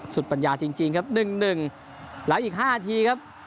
สุดปัญญาจริงจริงครับหนึ่งหนึ่งแล้วอีกห้าทีครับ